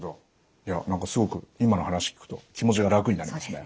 いや何かすごく今の話聞くと気持ちが楽になりますね。